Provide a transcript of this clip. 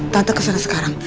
tante kesana sekarang